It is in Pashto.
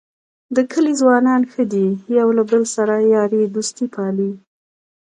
د کلي ځوانان ښه دي یو له بل سره یارۍ دوستۍ پالي.